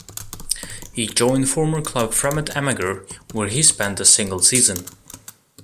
He joined former club Fremad Amager, where he spent a single season.